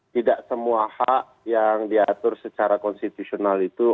tidak semua hak yang diatur secara konstitusional itu